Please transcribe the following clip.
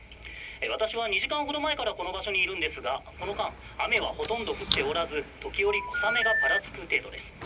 私は２時間ほど前からこの場所にいるんですが、この間、雨はほとんど降っておらず、時折小雨がぱらつく程度です。